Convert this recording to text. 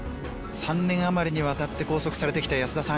「３年余りにわたって拘束されてきた安田さん